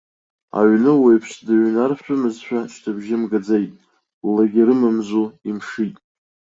Аҩны уаҩԥс дыҩнаршәымызшәа, шьҭыбжьы мгаӡеит, лагьы рымамзу, имшит.